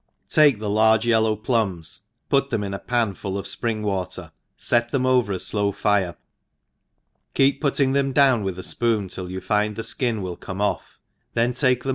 TAKE the large yellpw plums, put them in a paa full of fpring water^ fet then^ over a flo^ fire» keep p^ttiog them down \^ith a fpooa till you find the fkin will come off, then take them